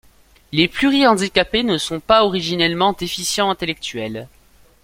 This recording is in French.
Les plurihandicapés ne sont pas originellement déficients intellectuels.